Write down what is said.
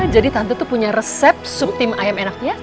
jadi tante tuh punya resep sup tim ayam enaknya